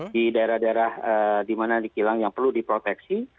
di daerah daerah dimana dikilang yang perlu diproteksi